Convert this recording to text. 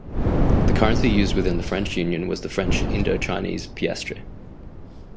The currency used within the French Union was the French Indochinese piastre.